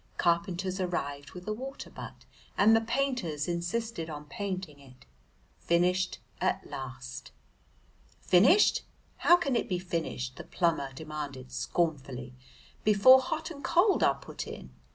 Carpenters arrived with a water butt, and the painters insisted on painting it. Finished at last! "Finished! how can it be finished," the plumber demanded scornfully, "before hot and cold are put in?"